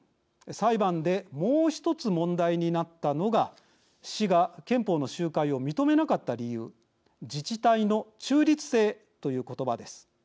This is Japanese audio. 裁判でもう１つ問題になったのが市が憲法の集会を認めなかった理由自治体の中立性という言葉です。